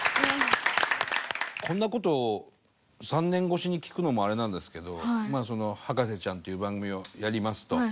こんな事３年越しに聞くのもあれなんですけど『博士ちゃん』という番組をやりますと。